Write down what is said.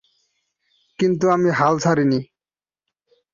কিন্তু আমি হাল ছাড়িনি।